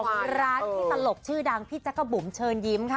ร้านที่ตลกชื่อดังพี่จักรบุ๋มเชิญยิ้มค่ะ